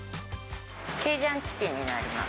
ケイジャンチキンになります。